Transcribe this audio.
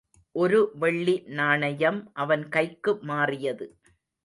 ஒரு வெள்ளி நாணயம் அவன் கைக்கு மாறியது.